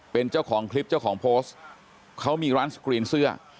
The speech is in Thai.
เป็นเจ้าของคลิปเจ้าของโพสต์เขามีร้านสกรีนเสื้อ